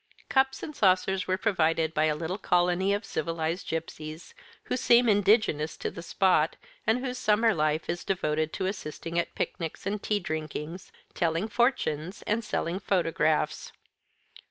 Cups and saucers were provided by a little colony of civilised gipsies, who seem indigenous to the spot, and whose summer life is devoted to assisting at picnics and tea drinkings, telling fortunes, and selling photographs.